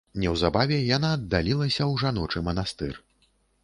Неўзабаве яна аддалілася ў жаночы манастыр.